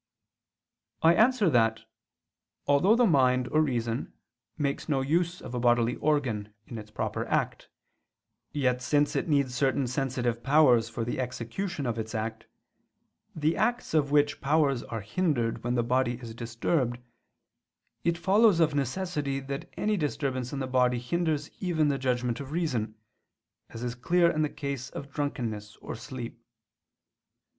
I answer that, Although the mind or reason makes no use of a bodily organ in its proper act, yet, since it needs certain sensitive powers for the execution of its act, the acts of which powers are hindered when the body is disturbed, it follows of necessity that any disturbance in the body hinders even the judgment of reason; as is clear in the case of drunkenness or sleep.